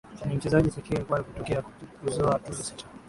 Ni mchezaji pekee kuwahi kutokea kuzoa tuzo sita